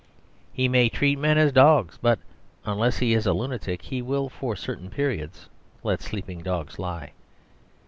He may treat men as dogs, but unless he is a lunatic he will for certain periods let sleeping dogs lie.